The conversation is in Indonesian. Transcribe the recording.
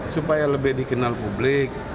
supaya lebih dikenal publik